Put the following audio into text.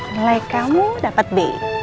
nilai kamu dapet b